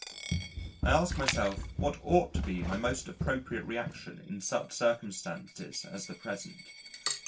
I ask myself what ought to be my most appropriate reaction in such circumstances as the present?